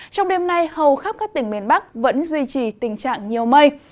trong đêm nay hầu khắp các tỉnh miền bắc vẫn duy trì tình trạng nhiều mây